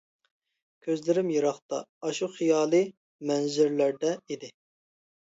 كۆزلىرىم يىراقتا، ئاشۇ خىيالىي مەنزىرىلەردە ئىدى.